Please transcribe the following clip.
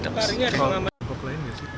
nanti saya cek dulu nanti ya